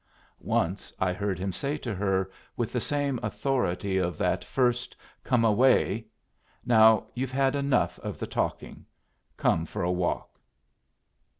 Once I heard him say to her, with the same authority of that first "come away"; "Now you've had enough of the talking. Come for a walk."